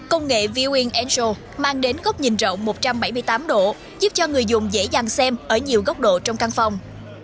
công nghệ viewing angel mang đến góc nhìn rộng một trăm bảy mươi tám độ giúp cho người dùng dễ dàng xem ở nhiều góc độ trong căn phòng